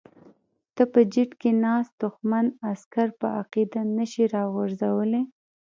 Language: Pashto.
ته په جیټ کې ناست دښمن عسکر په عقیده نشې راغورځولی.